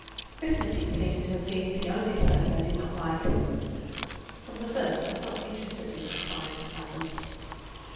Arithmetic seems to have been the only study I did not like. From the first I was not interested in the science of numbers.